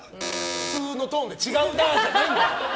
普通のトーンで違うなじゃないんだよ！